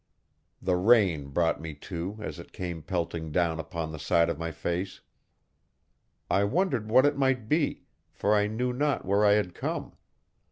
The rain brought me to as it came pelting down upon the side of my face. I wondered what it might be, for I knew not where I had come.